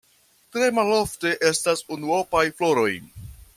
Tre malofte estas unuopaj floroj.